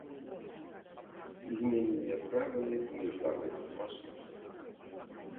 Змененыя правілы міжгародніх маршрутак.